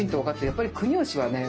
やっぱり国芳はね